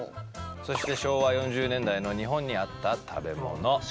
そして昭和４０年代の日本にあった食べ物。